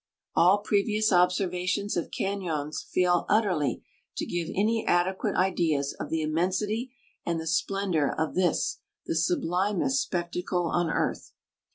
All previous observations of cañons fail utterly to give any adequate ideas of the immensity and the splendor of this, "the sublimest spectacle on earth."